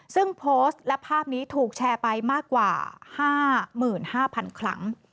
ซึ่งโพสต์และภาพนี้ถูกแชร์ไปมากกว่า๕๕๐๐๐ครั้ง